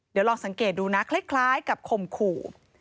เดี๋ยวลองสังเกตดูนะคล้ายกับข่มขู่